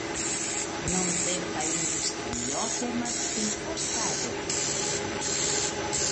Nuntempa industrio temas pri forstado de poploj.